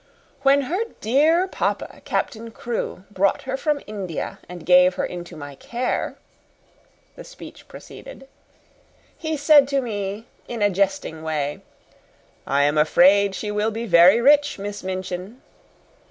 "When her dear papa, Captain Crewe, brought her from India and gave her into my care," the speech proceeded, "he said to me, in a jesting way, 'I am afraid she will be very rich, Miss Minchin.'